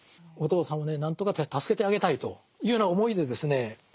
お父さんをね何とか助けてあげたいというような思いでですね